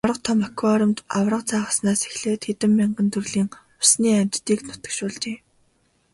Аварга том аквариумд аварга загаснаас эхлээд хэдэн мянган төрлийн усны амьтдыг нутагшуулжээ.